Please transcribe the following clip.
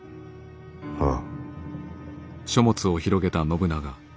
ああ。